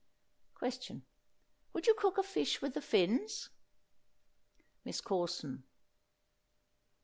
Question. Would you cook a fish with the fins? MISS CORSON.